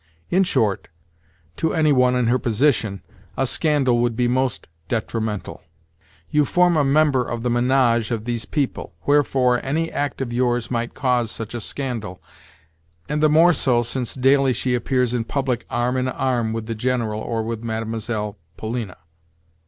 In short, to any one in her position, a scandal would be most detrimental. You form a member of the ménage of these people; wherefore, any act of yours might cause such a scandal—and the more so since daily she appears in public arm in arm with the General or with Mlle. Polina.